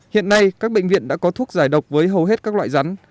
hiện nay các bệnh viện đã có thuốc giải độc với hầu hết các loại rắn